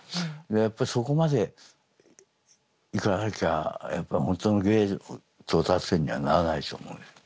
やっぱそこまでいかなきゃ本当の芸の到達点にはならないと思うよ。